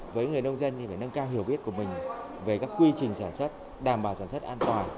với người nông dân thì phải nâng cao hiểu biết của mình về các quy trình sản xuất đảm bảo sản xuất an toàn